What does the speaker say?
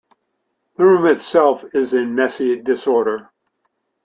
The room itself is in messy disorder.